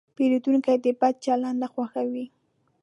پیرودونکی د بد چلند نه خوښوي.